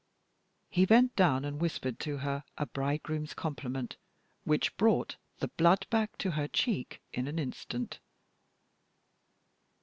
He bent down and whispered to her a bridegroom's compliment, which brought the blood back to her cheek in an instant.